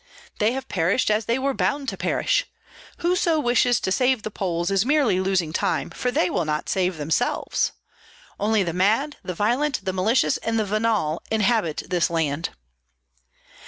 They have perished as they were bound to perish. Whoso wishes to save the Poles is merely losing time, for they will not save themselves. Only the mad, the violent, the malicious, and the venal inhabit this land."